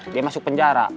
dia masuk penjara